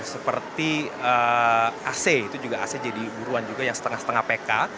seperti ac itu juga ac jadi buruan juga yang setengah setengah pk